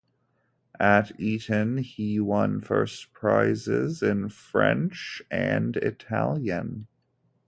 At Eton, he won first prizes in French and Italian.